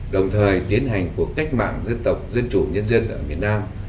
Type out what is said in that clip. đồng thời tiến hành cuộc cách mạng dân tộc dân chủ nhân dân ở miền nam